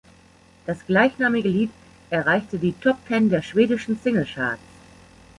Das gleichnamige Lied erreichte die Top Ten der schwedischen Single-Charts.